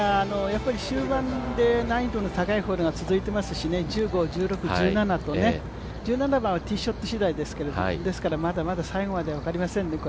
終盤で難易度の高いホールが続いていますしね、１５、１６、１７と、１７番はティーショットしだいですけどまだまだ最後まで分かりませんね。